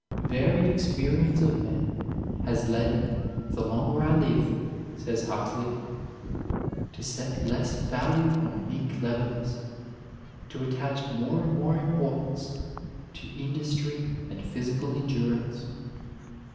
"Varied experience of men has led me, the longer I live," says Huxley, "to set less value on mere cleverness; to attach more and more importance to industry and physical endurance.